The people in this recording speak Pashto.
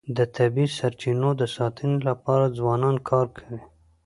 د طبیعي سرچینو د ساتنې لپاره ځوانان کار کوي.